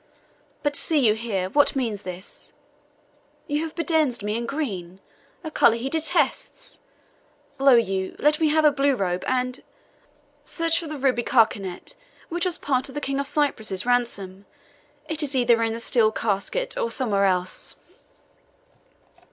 But see you here, what means this? You have bedizened me in green, a colour he detests. Lo you! let me have a blue robe, and search for the ruby carcanet, which was part of the King of Cyprus's ransom; it is either in the steel casket, or somewhere else."